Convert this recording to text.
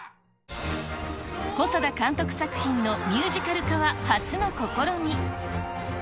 細田監督作品のミュージカル化は初の試み。